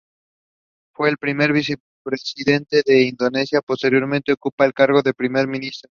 Fue el primer vicepresidente de Indonesia, posteriormente ocupa el cargo de primer ministro.